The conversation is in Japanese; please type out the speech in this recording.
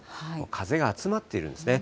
風が集まっているんですね。